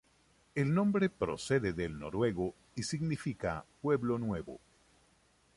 El nombre procede del noruego y significa "Pueblo Nuevo".